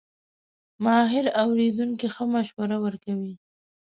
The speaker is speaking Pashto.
ماهر اورېدونکی ښه مشوره ورکوي.